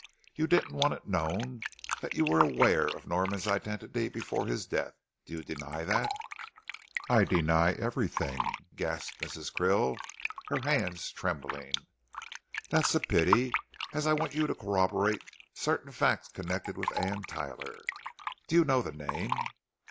"You didn't want it known that you were aware of Norman's identity before his death. Do you deny that?" "I deny everything," gasped Mrs. Krill, her hands trembling. "That's a pity, as I want you to corroborate certain facts connected with Anne Tyler. Do you know the name?"